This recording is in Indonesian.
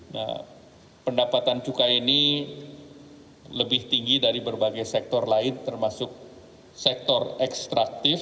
nah pendapatan cukai ini lebih tinggi dari berbagai sektor lain termasuk sektor ekstraktif